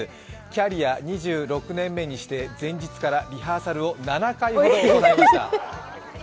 キャリア２６年目にして前日からリハーサルを７回ほど行いました。